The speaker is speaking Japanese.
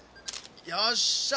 よっしゃ。